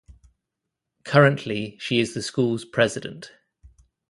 Currently she is the school's president.